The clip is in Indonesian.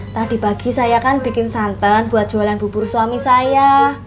tadi pagi saya kan bikin santan buat jualan bubur suami saya